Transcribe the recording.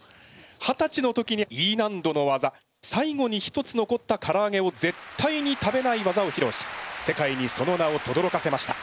はたちの時にＥ難度の技「最後に１つ残ったからあげをぜったいに食べない技」をひろうし世界にその名をとどろかせました。